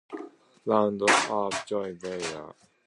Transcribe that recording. Round up Joy Behar.